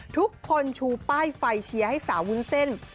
ชูป้ายไฟเชียร์ให้สาววุ้นเส้น